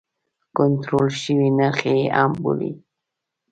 کنټرول شوی نرخ یې هم بولي.